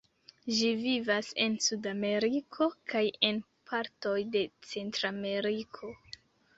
Ĝi vivas en Sudameriko, kaj en partoj de Centrameriko.